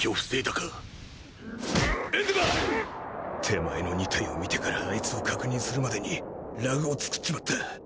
手前の２体を視てからアイツを確認するまでにラグを作っちまった！